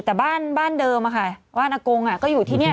แต่บ้านบ้านเดิมอะค่ะบ้านอากงก็อยู่ที่นี่